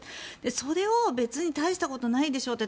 それを別に大したことじゃないでしょう